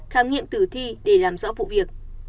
khám nghiệm tử thi để làm rõ vụ việc